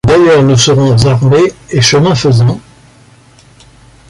D’ailleurs, nous serons armés, et, chemin faisant